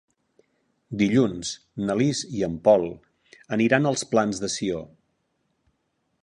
Dilluns na Lis i en Pol aniran als Plans de Sió.